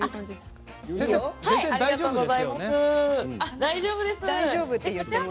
大丈夫です。